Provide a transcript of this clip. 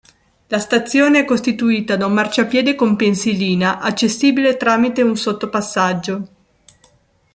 La stazione è costituita da un marciapiede con pensilina, accessibile tramite un sottopassaggio.